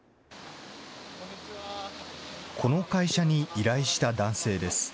この会社に依頼した男性です。